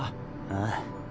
ああ。